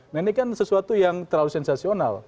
nah ini kan sesuatu yang terlalu sensasional